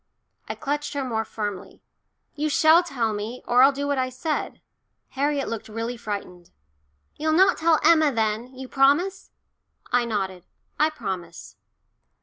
I clutched her more firmly. "You shall tell me, or I'll do what I said." Harriet looked really frightened. "You'll not tell Emma, then? You promise?" I nodded. "I promise."